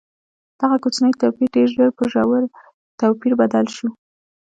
دغه کوچنی توپیر ډېر ژر پر ژور توپیر بدل شو.